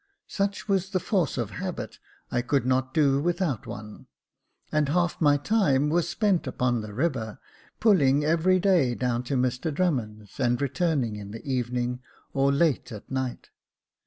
Such was the force of habit, I could not do without one ; and half my time was spent upon the river, pulling every day down to Mr Jacob Faithful 393 Drummond's, and returning in the evening, or late at night.